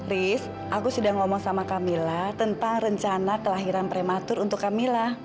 riz aku sudah ngomong sama camilla tentang rencana kelahiran prematur untuk camilla